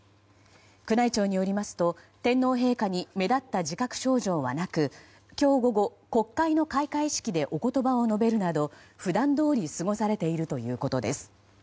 宮内庁によりますと天皇陛下に目立った自覚症状はなく今日午後、国会の開会式でおことばを述べるなど普段どおり過ごされているということです。